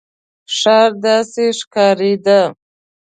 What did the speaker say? ښار داسې ښکارېده.